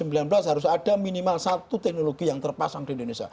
sebelum tahun dua ribu sembilan belas harus ada minimal satu teknologi yang terpasang di indonesia